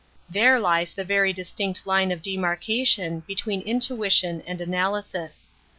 There lies the very dis tinct line of demarcation between intuition and analysis.